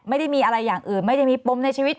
ไม่ได้มีอะไรอย่างอื่นไม่ได้มีปมในชีวิต